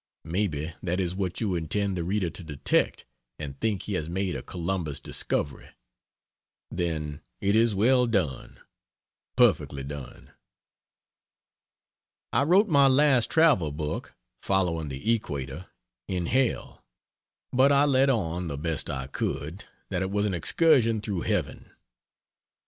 Maybe that is what you intend the reader to detect and think he has made a Columbus discovery. Then it is well done, perfectly done. I wrote my last travel book [Following the Equator.] in hell; but I let on, the best I could, that it was an excursion through heaven.